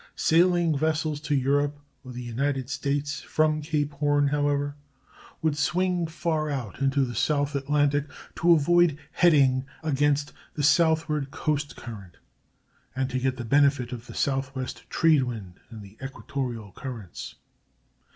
Sailing vessels to Europe or the United States from Cape Horn, however, would swing far out into the South Atlantic to avoid heading against the southward coast current and to get the benefit of the southwest trade wind and the equatorial currents.